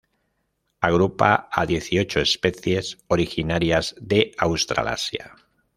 Agrupa a dieciocho especies originarias de Australasia.